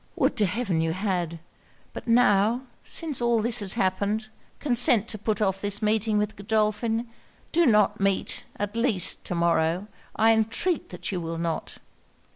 'Would to heaven you had! But now, since all this has happened, consent to put off this meeting with Godolphin. Do not meet, at least, to morrow! I entreat that you will not!'